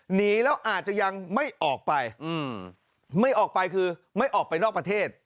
หนีแล้วอาจจะยังไม่ออกไปไม่ออกไปคือไม่ออกไปนอกประเทศ